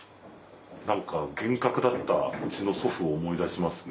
何か厳格だったうちの祖父を思い出しますね。